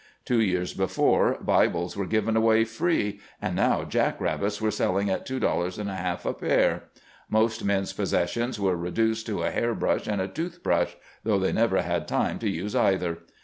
Two years before Bibles were given away free, and now jack rabbits were selling at two dollars and a half a pair. Most men's possessions were reduced to a hair brush and a tooth brush, though they never had time to use either.